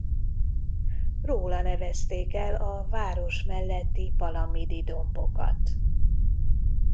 Róla nevezték el a város melletti Palamidi-dombokat.